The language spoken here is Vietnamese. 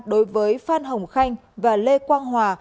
đối với phan hồng khanh và lê quang hòa